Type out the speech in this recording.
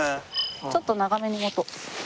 ちょっと長めに持とう。